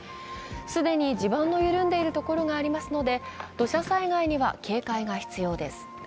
既に地盤が緩んでいるところがありますので土砂災害には警戒が必要です。